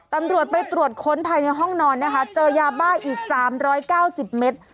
ตำรวจไปตรวจค้นภายในห้องนอนนะคะเจอยาบ้าอีกสามร้อยเก้าสิบเม็ด